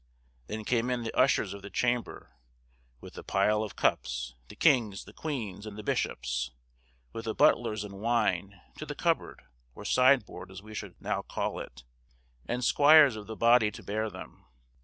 Then came in the ushers of the chamber, with the pile of cups—the king's, the queen's, and the bishop's—with the butlers and wine, to the cupboard, or sideboard as we should now call it; and squires of the body to bear them.